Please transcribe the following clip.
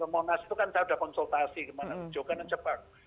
monas itu kan sudah ada konsultasi gimana hijaukan yang cepat